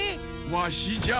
わしじゃ。